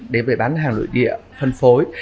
để bán hàng nội địa phân phối